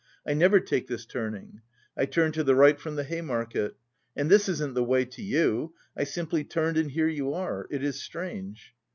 I never take this turning. I turn to the right from the Hay Market. And this isn't the way to you. I simply turned and here you are. It is strange!"